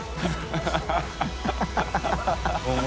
ハハハ